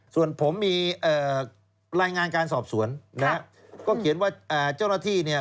ส่วนผมมีรายงานการสอบสวนก็เขียนว่าเจ้าหน้าที่